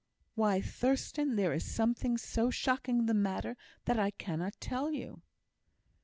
"Why, Thurstan, there is something so shocking the matter, that I cannot tell you."